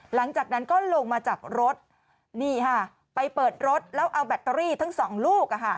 หลังจากนั้นก็ลงมาจากรถนี่ค่ะไปเปิดรถแล้วเอาแบตเตอรี่ทั้งสองลูก